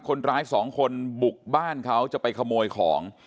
คนร้ายสองคนบุกบ้านเขาจะไปขโมยของ